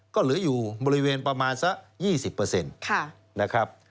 ก็เหลืออยู่บริเวณประมาณสัก๒๐นะครับ